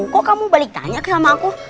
kok kamu balik tanya ke sama aku